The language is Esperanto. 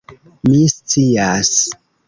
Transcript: Mi scias.